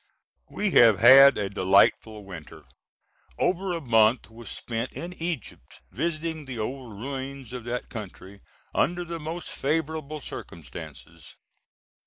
We have had a delightful winter. Over a month was spent in Egypt, visiting the old ruins of that country under the most favorable circumstances.